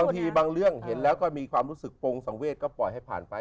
บางทีบางเรื่องเห็นแล้วก็มีความรู้สึกโปรงสังเวศก็ปล่อยให้ผ่านไป